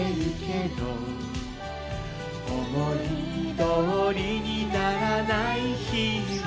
「思いどおりにならない日は」